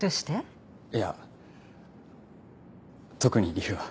いや特に理由は。